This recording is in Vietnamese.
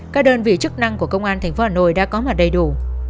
các đơn vị chức năng của công an thành phố hà nội đã có mặt đầy đủ